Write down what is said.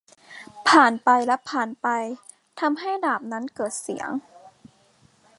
ผ่านไปและผ่านไป ทำให้ดาบนั้นเกิดเสียง